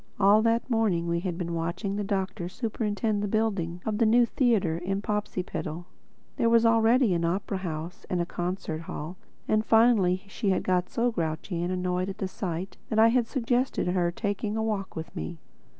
All that morning we had been watching the Doctor superintend the building of the new theatre in Popsipetel—there was already an opera house and a concert hall; and finally she had got so grouchy and annoyed at the sight that I had suggested her taking a walk with me.